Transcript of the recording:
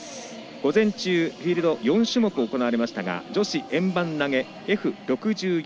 午前中フィールドで４種目行われましたが女子円盤投げＦ６４